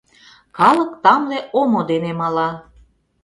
Калык тамле омо дене мала.